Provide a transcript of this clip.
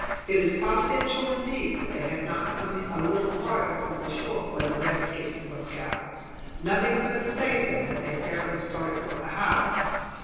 "It is providential indeed that they had not come a little further from the shore when the redskins broke out. Nothing could have saved them, had they fairly started for the house."